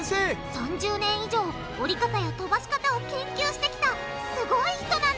３０年以上折り方や飛ばし方を研究してきたすごい人なんだ！